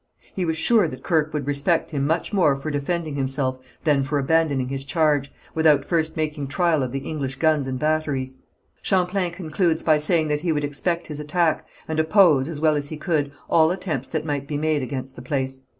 He was sure that Kirke would respect him much more for defending himself than for abandoning his charge, without first making trial of the English guns and batteries. Champlain concludes by saying that he would expect his attack, and oppose, as well as he could, all attempts that might be made against the place.